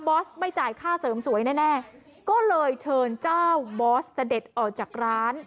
อสไม่จ่ายค่าเสริมสวยแน่ก็เลยเชิญเจ้าบอสเสด็จออกจากร้าน